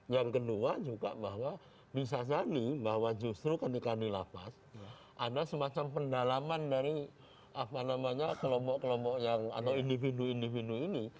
yang kedua juga bahwa bisa jadi bahwa justru ketika di lapas ada semacam pendalaman dari kelompok kelompok yang atau individu individu ini